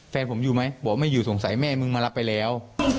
แฟนผมอยู่ไหมบอกไม่อยู่สงสัยแม่มึงมารับไปแล้ว